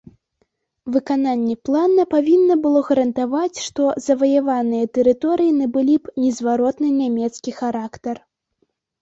Выкананне плана павінна было гарантаваць, што заваяваныя тэрыторыі набылі б незваротна нямецкі характар.